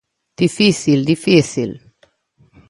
Difícil, difícil.